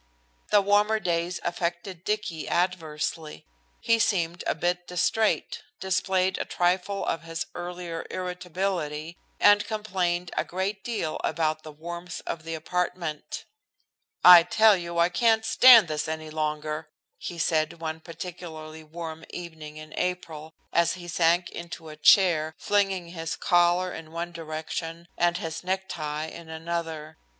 The warmer days affected Dicky adversely. He seemed a bit distrait, displayed a trifle of his earlier irritability, and complained a great deal about the warmth of the apartment. "I tell you I can't stand this any longer," he said one particularly warm evening in April, as he sank into a chair, flinging his collar in one direction and his necktie in another.